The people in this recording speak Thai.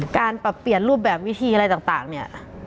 การปรับเปลี่ยนรูปแบบวิธีอะไรต่างเนี่ย